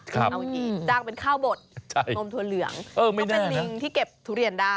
จ้างเป็นข้าวบดนมตัวเหลืองก็เป็นลิงที่เก็บทุเรียนได้